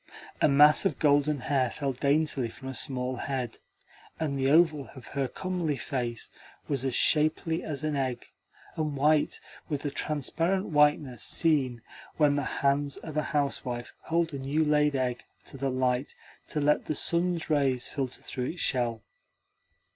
A mass of golden hair fell daintily from a small head, and the oval of her comely face was as shapely as an egg, and white with the transparent whiteness seen when the hands of a housewife hold a new laid egg to the light to let the sun's rays filter through its shell.